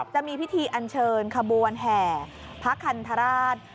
จะมีพิธีอันเชิญขบวนแห่พระคันธราช